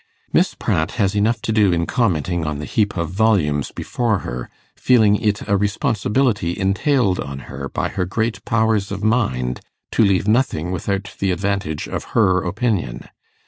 Miss Pratt has enough to do in commenting on the heap of volumes before her, feeling it a responsibility entailed on her by her great powers of mind to leave nothing without the advantage of her opinion.